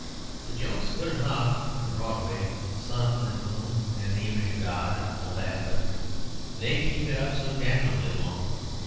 The joke's good enough in a broad way, sun and moon and the image of God, and all that, but they keep it up so damnably long.